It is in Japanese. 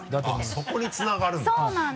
そこにつながるんだ。